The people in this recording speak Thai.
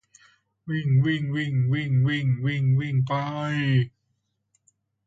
วิ่งวิ่งวิ่งวิ่งวิ่งวิ่ง วิ่งไป